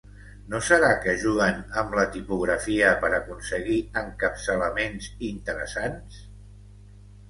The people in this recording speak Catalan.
No serà que juguen amb la tipografia per aconseguir encapçalaments interessants?